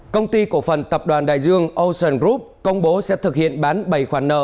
công ty cổ phần tập đoàn đại dương ocean group công bố sẽ thực hiện bán bảy khoản nợ